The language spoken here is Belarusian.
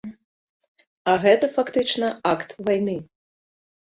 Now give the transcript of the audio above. А гэта фактычна акт вайны.